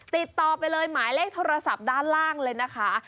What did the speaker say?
ติดต่อไปเลยหมายเลขโทรศัพท์ด้านล่างเลยนะคะ